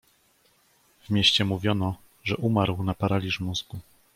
"„W mieście mówiono, że umarł na paraliż mózgu."